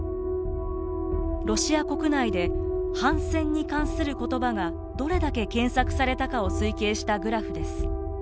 ロシア国内で反戦に関する言葉がどれだけ検索されたかを推計したグラフです。